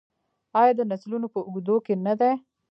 آیا د نسلونو په اوږدو کې نه دی؟